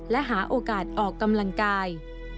และหาโอกาสออกกำลังกาย